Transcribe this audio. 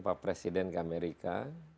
pak presiden ke amerika